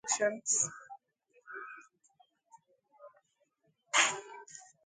These applications present options to the user contextually, typically using hyperlinks to select actions.